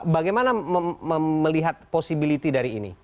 bagaimana melihat possibility dari ini